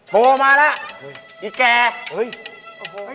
โทรมาแล้วอีกแก